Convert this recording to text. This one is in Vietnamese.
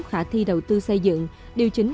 khả thi đầu tư xây dựng điều chính